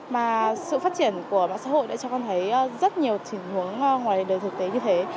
mà sự phát triển của mạng xã hội đã cho con thấy rất nhiều trình hướng ngoài đời thực tế như thế